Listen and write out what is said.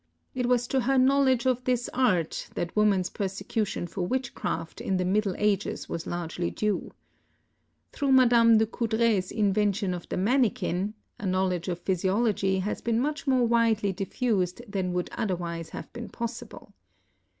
It was to her knowledge of this art that woman's persecution for witchcraft in the middle ages was largely due. Through Madame de Coudray's invention of the manikin, a knowledge of physiology has been much more widely diffused than would otherwise have been possible.